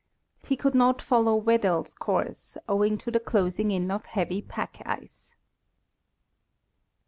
He could not follow Weddell's course, owing to the closing in of heavy pack ice.